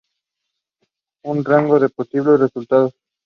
Adri offers to help Martha muster up the courage to confess her feelings.